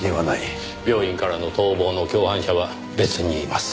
病院からの逃亡の共犯者は別にいます。